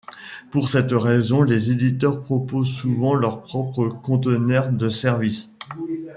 Pour cette raison, les éditeurs proposent souvent leur propre conteneur de services.